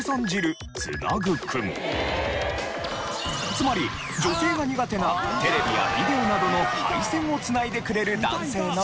つまり女性が苦手なテレビやビデオなどの配線を繋いでくれる男性の事。